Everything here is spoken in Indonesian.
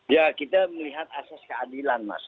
ya kita melihat asas keadilan mas